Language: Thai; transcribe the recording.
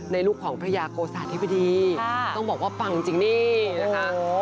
ลูกของพระยาโกสาธิบดีต้องบอกว่าปังจริงนี่นะคะ